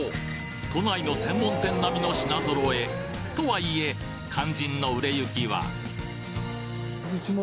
都内の専門店並みの品揃えとはいえ肝心の売れ行きは？